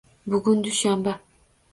Bugun dushanba.